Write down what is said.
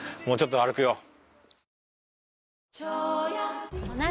もうちょっと歩くよ。